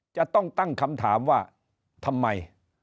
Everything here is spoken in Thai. จะต้องตั้งคำถามว่าทำไม